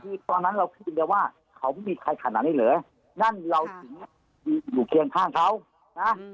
คือตอนนั้นเราคิดกันว่าเขาไม่มีใครขนาดนี้เหลือนั่นเราอยู่เคียงข้างเขานะ